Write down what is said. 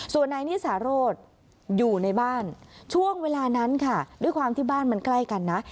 ส่วนนายนิสาโรธอยู่ในบ้านช่วงเวลานั้นค่ะด้วยความที่บ้านมันใกล้กันนะ